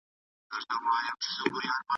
ايا سياسي ثبات د پرمختګ لپاره اړين دی؟